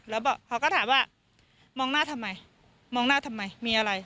แล้วเขาก็ถามว่ามองหน้าทำไมมองหน้าทำไมมีอะไร